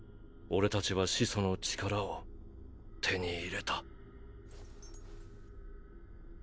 俺たちは始祖の力を手に入れた。